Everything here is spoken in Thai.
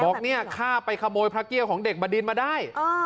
บอกเนี่ยข้าไปขโมยพระเกี้ยวของเด็กบดินมาได้